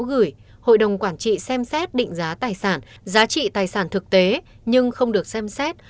gửi hội đồng quản trị xem xét định giá tài sản giá trị tài sản thực tế nhưng không được xem xét